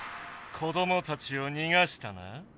子どもたちをにがしたな。